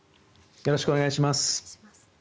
よろしくお願いします。